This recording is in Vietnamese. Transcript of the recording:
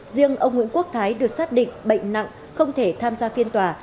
riêng ông nguyễn quốc thái được xác định bệnh nặng không thể tham gia phiên tòa